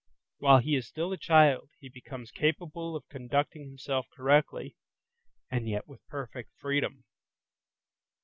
While he is still a child, he becomes capable of conducting himself correctly, and yet, with perfect freedom.